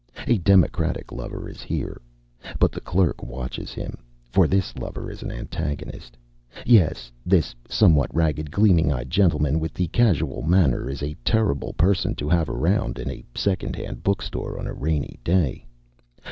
A democratic lover is here. But the clerk watches him. For this lover is an antagonist. Yes, this somewhat ragged, gleaming eyed gentleman with the casual manner is a terrible person to have around in a second hand book store on a rainy day.